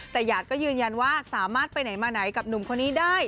แต่หยาดก็ยืนยันว่าสามารถไปไหนมาไหนกับหนุ่มคนนี้ได้